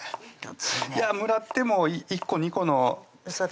いやもらっても１個２個のウソです